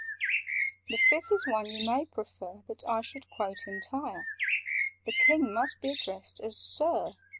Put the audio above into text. "The Fifth is one you may prefer That I should quote entire:— The King must be addressed as 'Sir.